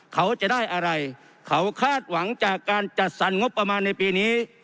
เขาจะได้อะไรเขาคาดหวังจากการจัดสรรงบประมาณในปีนี้